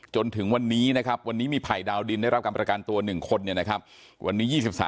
จนถึงวันนี้นะครับมีภัยดาวดินได้รับการประกันตัวหนึ่งคน